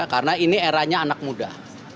karena ini eranya anak muda